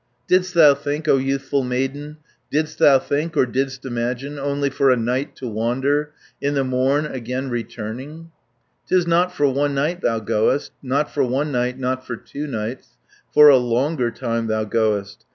110 "Didst thou think, O youthful maiden, Didst thou think, or didst imagine, Only for a night to wander, In the morn again returning? 'Tis not for one night thou goest, Not for one night, not for two nights, For a longer time thou goest.